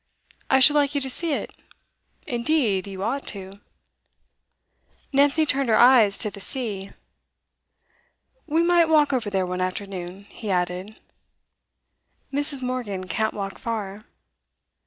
I should like you to see it. Indeed, you ought to.' Nancy turned her eyes to the sea. 'We might walk over there one afternoon,' he added. 'Mrs. Morgan can't walk far.